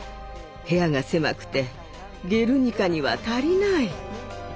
部屋が狭くて「ゲルニカ」には足りない。